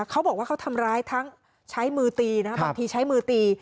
เขาบอกว่าเขาทำร้ายทั้งใช้มือตีนะบางทีใช้มือตี